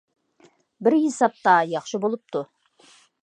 بىر ھېسابتا ياخشى بولۇپتۇ.